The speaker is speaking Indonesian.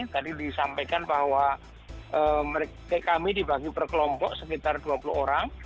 tadi disampaikan bahwa kami dibagi per kelompok sekitar dua puluh orang